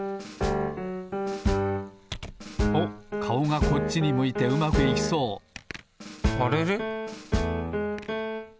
おっかおがこっちに向いてうまくいきそうあれれ？